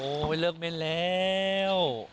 โอ๊ยเลิกเมนต์แล้ว